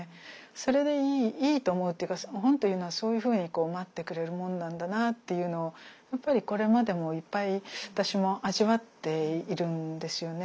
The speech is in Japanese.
それでいいと思うっていうか本っていうのはそういうふうに待ってくれるもんなんだなっていうのをやっぱりこれまでもいっぱい私も味わっているんですよね。